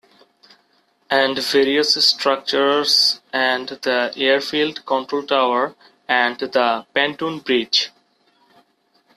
And various structures as the "Airfield Control Tower" and the "Pontoon Bridge".